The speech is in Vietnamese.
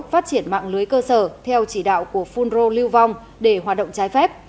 phát triển mạng lưới cơ sở theo chỉ đạo của phun rô lưu vong để hoạt động trái phép